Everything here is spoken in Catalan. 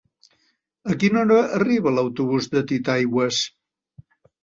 A quina hora arriba l'autobús de Titaigües?